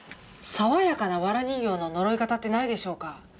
爽やかなわら人形の呪い方ってないでしょうか。